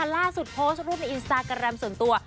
รุ่นในอินสตารการ์แรมส่วนตัว